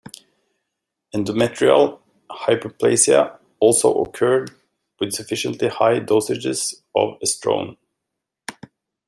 Endometrial hyperplasia also occurred with sufficiently high dosages of estrone.